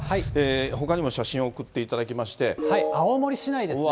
ほかにも写真を送っていただきま青森市内ですね。